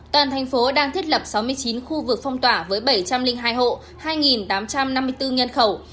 toàn thành phố đang thiết lập sáu mươi chín khu vực phong tỏa với bảy trăm linh hai hộ hai tám trăm năm mươi bốn nhân khẩu